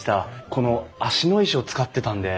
この芦野石を使ってたんで。